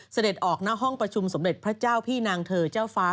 เสด็จออกหน้าห้องประชุมสมเด็จพระเจ้าพี่นางเธอเจ้าฟ้า